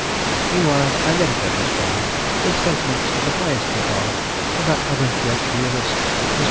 _ Meanwhile I dedicate this volume, with sentiments of the highest regard, to that other great realist MR.